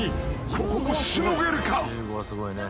ここをしのげるか？］